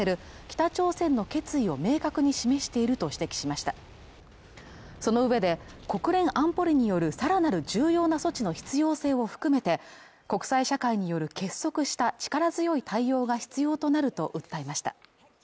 北朝鮮の決意を明確に示していると指摘しましたそのうえで国連安保理による更なる重要な措置の必要性を含めて国際社会による結束した力強い対応が必要となると訴えました